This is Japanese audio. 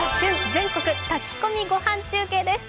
全国炊き込みご飯中継です。